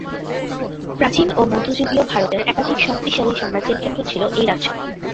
প্রাচীন ও মধ্যযুগীয় ভারতের একাধিক শক্তিশালী সাম্রাজ্যের কেন্দ্র ছিল এই রাজ্য।